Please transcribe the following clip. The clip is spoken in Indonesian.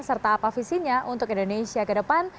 serta apa visinya untuk indonesia ke depan